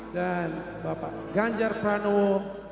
dan bapak ganjar pranowo